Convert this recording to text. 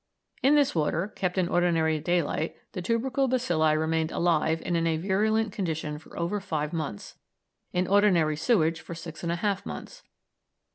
In this water, kept in ordinary daylight, the tubercle bacilli remained alive and in a virulent condition for over five months; in ordinary sewage for six and a half months.